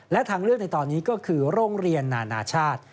และทางเลือกในตอนนี้ก็คือโรงเรียนนานาชาติ